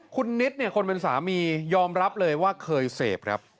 คุณนิทร์ดีบคนเป็นสามียอมรับเลยว่าเคยเสพแล้ว